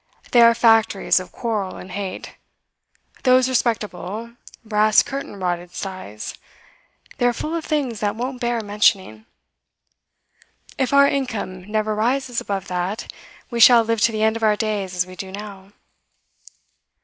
They are factories of quarrel and hate those respectable, brass curtain rodded sties they are full of things that won't bear mentioning. If our income never rises above that, we shall live to the end of our days as we do now.